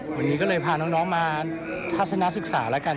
วันนี้ก็เลยพาน้องมาทัศนศึกษาแล้วกัน